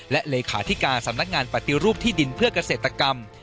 และเลขาธิการสำนักงานปฏิรูปที่ดินเพื่อเกษตรกรรม